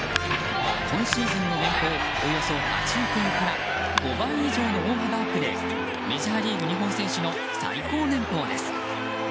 今シーズンの年俸およそ８億円から５倍以上の大幅アップでメジャーリーグ日本選手の最高年俸です。